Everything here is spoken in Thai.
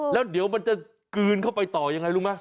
แล้วเดี๋ยวมันจะกลืนเข้าไปต่อยังไงรู้ไหม